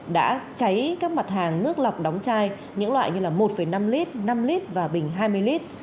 đã cháy các mặt hàng nước lọc đóng chai những loại như là một năm lít năm lít và bình hai mươi lít